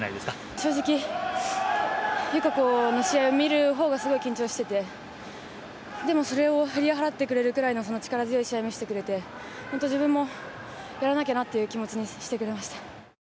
正直、友香子の試合を見るほうがすごい緊張してて、でもそれを振り払ってくれるくらいの力強い試合を見せてくれて、本当、自分もやらなきゃなって気持ちにしてくれました。